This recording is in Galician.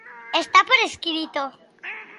Está por escrito.